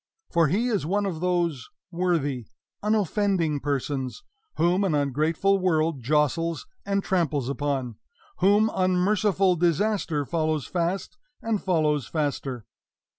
For he is one of those worthy, unoffending persons whom an ungrateful world jostles and tramples upon whom unmerciful disaster follows fast and follows faster.